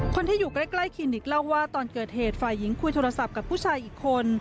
คนที่อยู่ใกล้คลินิกเล่าว่าตอนเกิดเหตุฝ่ายหญิงคุยโทรศัพท์กับผู้ชายอีกคน